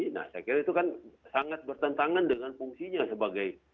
nah saya kira itu kan sangat bertentangan dengan fungsinya sebagai